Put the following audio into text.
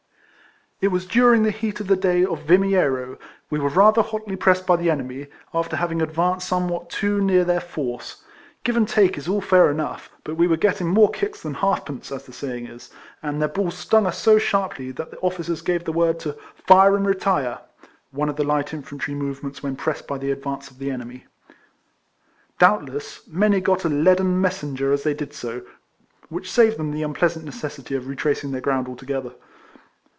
It was during the heat of the day of A'imiero. We were rather hotly pressed by the enemy, after having advanced somewhat too near their force. Give and take is all fair enough ; but we were getting more kicks than halfpence, as the saying is; and their balls stung us so sharply that the olficers gave the word to '"'' fire and retire''^* Doubtless, many got a leaden messenger as they did so, which saved them the unpleasant necessity of retracing their ground altogether.